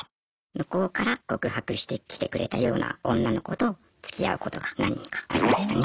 向こうから告白してきてくれたような女の子とつきあうことが何人かありましたね。